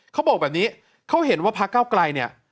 เขาบอกแบบนี้เขาเห็นว่าพกเนี่ย